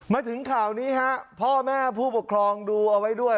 มาถึงข่าวนี้ฮะพ่อแม่ผู้ปกครองดูเอาไว้ด้วย